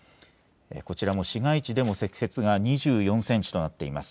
こちらも市街地でも積雪が２４センチとなっています。